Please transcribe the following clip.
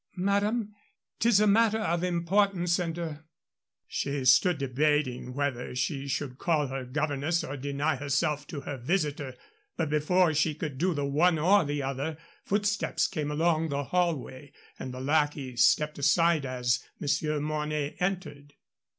"Madame, 'tis a matter of importance and er " She stood debating whether she should call her governess or deny herself to her visitor, but before she could do the one or the other footsteps came along the hallway and the lackey stepped aside as Monsieur Mornay entered.